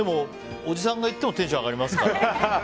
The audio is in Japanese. おじさんが行ってもテンションが上がりますから。